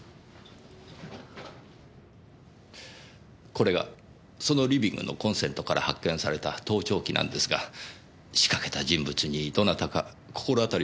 これがそのリビングのコンセントから発見された盗聴器なんですが仕掛けた人物にどなたか心当たりはありませんか？